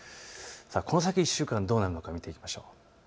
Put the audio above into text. この先１週間どうなるのか見ていきましょう。